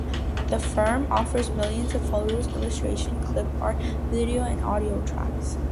The firm offers millions of photos, illustrations, clip art, videos and audio tracks.